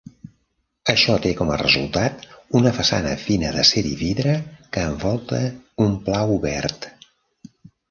Això té com a resultat una façana fina d'acer i vidre que envolta un pla obert.